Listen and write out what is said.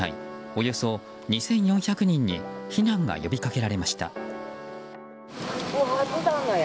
およそ２４００人に避難が呼び掛けられました。